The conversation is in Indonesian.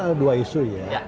ada dua isu ya